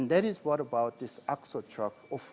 dan itu adalah hal tentang truk axo ini